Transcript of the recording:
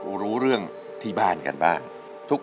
ทั้งในเรื่องของการทำงานเคยทำนานแล้วเกิดปัญหาน้อย